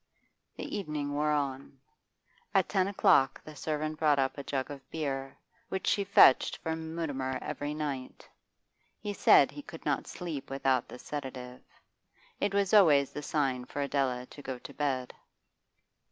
The evening wore on. At ten o'clock the servant brought up a jug of beer, which she fetched for Mutimer every night; he said he could not sleep without this sedative. It was always the sign for Adela to go to bed.